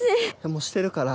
もうしてるから